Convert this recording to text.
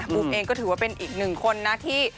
ุ๊กเองก็ถือว่าเป็นอีกหนึ่งคนนะที่